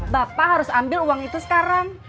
bapak harus ambil uang itu sekarang